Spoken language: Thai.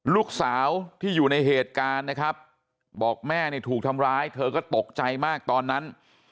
ลูกสาวที่อยู่ในเหตุการณ์นะครับบอกแม่เนี่ยถูกทำร้ายเธอก็ตกใจมากตอนนั้น